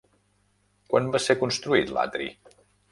Quan va ser construït l'atri?